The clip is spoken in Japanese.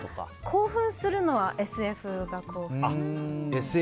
興奮するのはＳＦが。